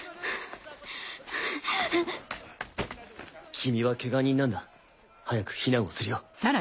君はケガ人なんだ早く避難をするよ。